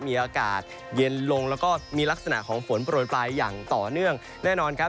มีอากาศเย็นลงแล้วก็มีลักษณะของฝนโปรยปลายอย่างต่อเนื่องแน่นอนครับ